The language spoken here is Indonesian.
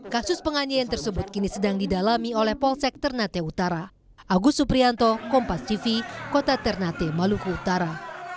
kasus penganiayaan tersebut kini sedang didalami oleh polsek ternate utara